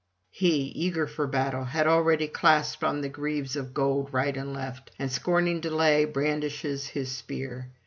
He, eager for battle, had already clasped on the greaves of gold right and left, and scorning delay, brandishes his spear.